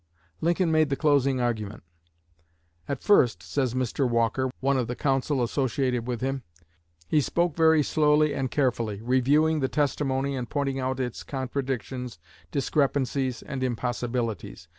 Lincoln made the closing argument. "At first," says Mr. Walker, one of the counsel associated with him, "he spoke very slowly and carefully, reviewing the testimony and pointing out its contradictions, discrepancies and impossibilities.